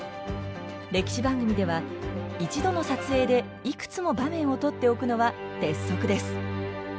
歴史番組では一度の撮影でいくつも場面を撮っておくのは鉄則です。